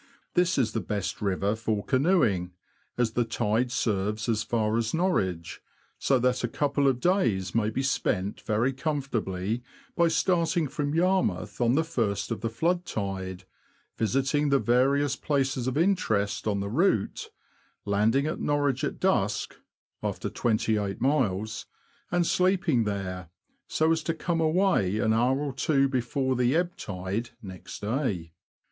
This is the best river for canoeing, as the tide serves as far as Norwich ; so that a couple of days may be spent very comfortably by starting from Yarmouth on the first of the flood tide, visiting the various places of interest on the route, landing at Norwich at dusk {2S miles), and sleeping there, so as to come away an hour or two before the ebb tide next day.